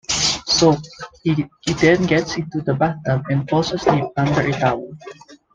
Soaked, he then gets into the bathtub and falls asleep under a towel.